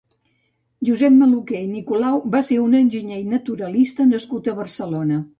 Josep Maluquer i Nicolau va ser un enginyer i naturalista nascut a Barcelona.